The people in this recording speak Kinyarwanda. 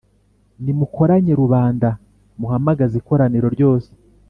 Nimukoranye rubanda, muhamagaze ikoraniro ryose.